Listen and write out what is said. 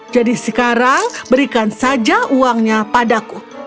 jadi sekarang berikan saja uangnya padaku